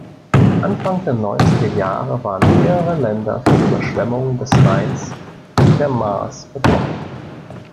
Anfang der Neunzigerjahre waren mehrere Länder von Überschwemmungen des Rheins und der Maas betroffen.